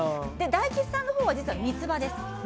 大吉さんのほうはみつばです。